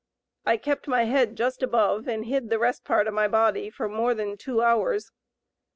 I kept my head just above and hid the rest part of my body for more than two hours.